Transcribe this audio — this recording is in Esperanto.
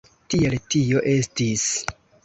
Tiel tio estis.